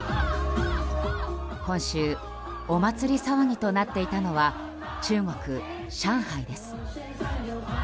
今週、お祭り騒ぎとなっていたのは中国・上海です。